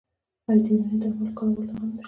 آیا د یوناني درملو کارول لا هم نشته؟